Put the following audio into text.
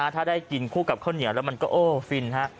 ถ้าได้กินคู่กับข้าวเหนียวแล้วมันก็โอ้ฟินฮะ